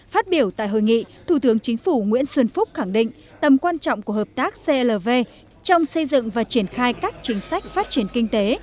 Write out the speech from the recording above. phát biểu tại hội nghị thủ tướng chính phủ nguyễn xuân phúc khẳng định tầm quan trọng của hợp tác clv trong xây dựng và triển khai các chính sách phát triển kinh tế